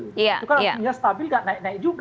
itu kan artinya stabil tidak naik naik juga